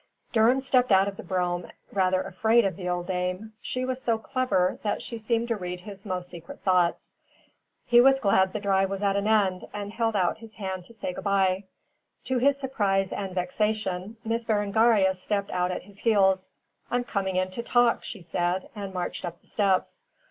Durham stepped out of the brougham rather afraid of the old dame. She was so clever that she seemed to read his most secret thoughts. He was glad the drive was at an end, and held out his hand to say good bye. To his surprise and vexation Miss Berengaria stepped out at his heels. "I'm coming in to talk," she said, and marched up the steps.